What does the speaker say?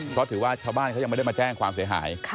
เพราะถือว่าชาวบ้านเขายังไม่ได้มาแจ้งความเสียหาย